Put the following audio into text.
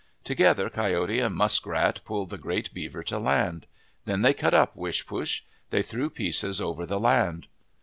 Together Coyote and Musk rat pulled the great beaver to land. Then they cut up Wishpoosh. They threw the pieces over the land.